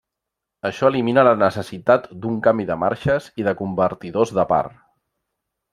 Això elimina la necessitat d'un canvi de marxes i de convertidors de par.